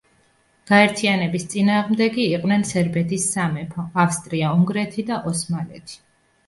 გაერთიანების წინააღმდეგი იყვნენ სერბეთის სამეფო, ავსტრია-უნგრეთი და ოსმალეთი.